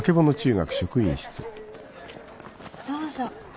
どうぞ。